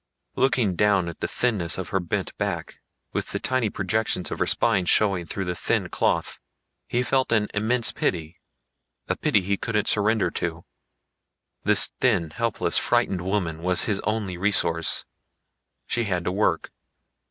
Looking down at the thinness of her bent back, with the tiny projections of her spine showing through the thin cloth, he felt an immense pity a pity he couldn't surrender to. This thin, helpless, frightened woman was his only resource. She had to work.